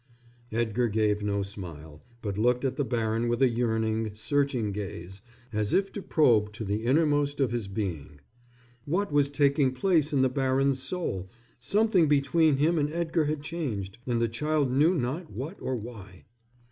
Edgar gave no smile, but looked at the baron with a yearning, searching gaze, as if to probe to the innermost of his being. What was taking place in the baron's soul? Something between him and Edgar had changed, and the child knew not what or why.